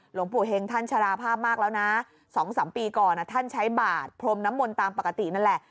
หลวงปู่เฮงท่านชราภาพมากแล้วนะ๒๓ปีก่อนท่านใช้บาทพรมน้ำมนต์ตามปกตินั่นแหละ